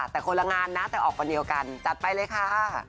แต่คนละงานนะแต่ออกวันเดียวกันจัดไปเลยค่ะ